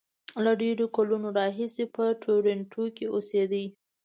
له ډېرو کلونو راهیسې په ټورنټو کې اوسېد.